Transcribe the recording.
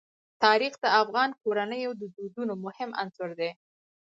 تاریخ د افغان کورنیو د دودونو مهم عنصر دی.